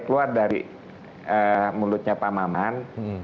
keluar dari mulutnya pak maman